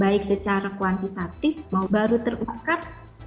baik secara kuantitatif baru terutakkan